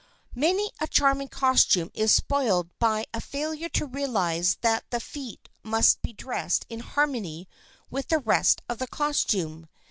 Many a charming costume is spoiled by a failure to realize that the feet must be dressed in harmony with the rest of the costume.